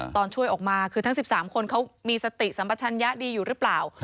ตอนช่วยออกมาคือทั้ง๑๓คนเขามีสติสัมปชัญญะดีอยู่หรือเปล่า